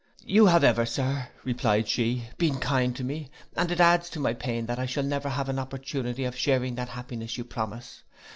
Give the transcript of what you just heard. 'You have ever, sir,' replied she, 'been kind to me, and it adds to my pain that I shall never have an opportunity of sharing that happiness you promise.